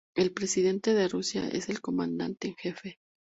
El presidente de Rusia es el comandante en jefe.